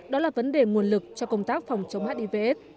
đó là vấn đề nguồn lực cho công tác phòng chống hivs